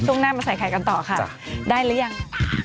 ช่วงหน้ามาใส่ไข่กันต่อค่ะได้หรือยัง